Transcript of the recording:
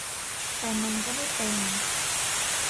แต่มันก็ไม่เป็น